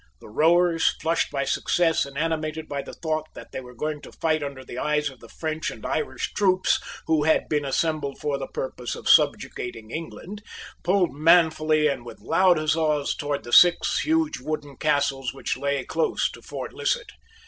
The rowers, flushed by success, and animated by the thought that they were going to fight under the eyes of the French and Irish troops who had been assembled for the purpose of subjugating England, pulled manfully and with loud huzzas towards the six huge wooden castles which lay close to Fort Lisset.